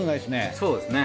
そうですね。